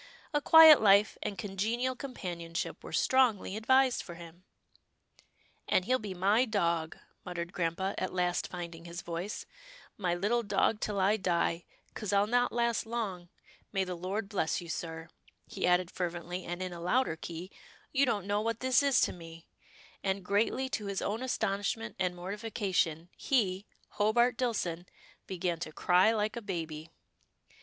A quiet life, and congenial companionship were strongly advised for him." " And he'll be my dog," muttered grampa, at last finding his voice, " my little dog till I die, 'cause I'll not last long — May the Lord bless you, sir," he added fervently, and in a louder key, " You don't know what this is to me," and, greatly to his own astonishment and mortification, he, Hobart Dillson, began to cry like a baby.